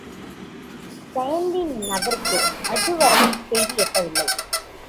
சயந்தி நகருக்கு அதுவரை இச் செய்தி எட்டவில்லை.